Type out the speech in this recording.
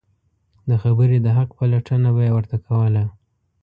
د خبرې د حق پلټنه به یې ورته کوله.